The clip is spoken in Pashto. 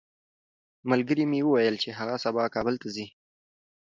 ملګري مې وویل چې هغه سبا کابل ته ځي.